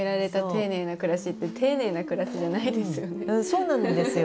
そうなんですよ！